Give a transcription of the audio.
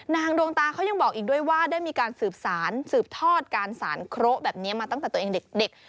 ดวงตาเขายังบอกอีกด้วยว่าได้มีการสืบสารสืบทอดการสารเคราะห์แบบนี้มาตั้งแต่ตัวเองเด็ก